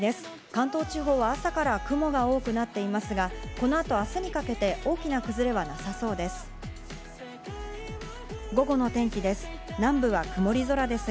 関東地方は朝から雲が多くなっていますが、このあと明日にかけて大きな崩れはなさそうです。